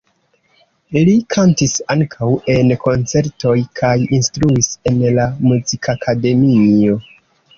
Li kantis ankaŭ en koncertoj kaj instruis en la muzikakademio.